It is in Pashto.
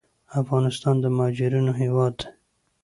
افغانستان د مهاجرینو هیواد دی